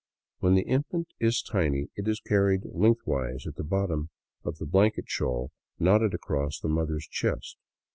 When the infant is tiny, it is carried length wise at the bottom of the blanket shawl knotted across the mother's chest.